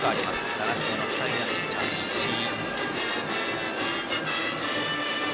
習志野の２人目のピッチャーの石井。